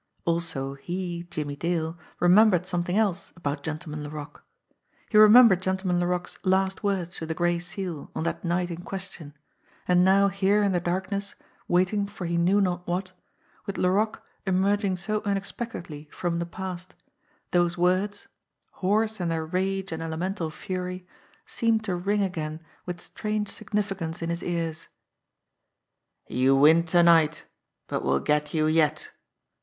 Also he, Jimmie Dale, remembered some thing else about Gentleman Laroque; he remembered Gen tleman Laroque's last words to the Gray Seal on that night in question, and now here in the darkness, waiting for he knew not what, with Laroque emerging so unexpectedly from the past, those words, hoarse in their rage and elemental fury, seemed to ring again with strange significance in his ears: "You win to night, but we'll get you yet!